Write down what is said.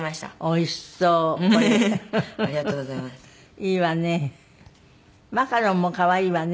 いいわね。